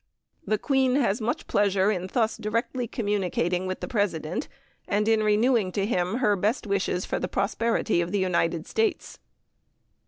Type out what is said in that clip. The Queen has much pleasure in thus directly communicating with the President, and in renewing to him her best wishes for the prosperity of the United States.